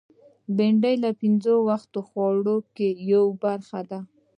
بېنډۍ له پینځه وخته خوړو کې یوه برخه ده